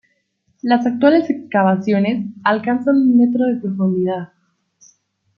Las actuales excavaciones alcanzan un metro de profundidad.